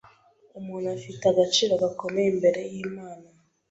Umuntu afite agaciro gakomeye imbere y’Imana,